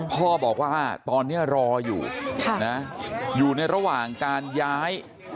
พ่อบอกว่าตอนนี้รออยู่อยู่ในระหว่างการย้าย